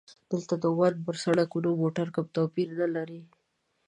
دلته د عمان پر سړکونو موټر کوم توپیر نه لري.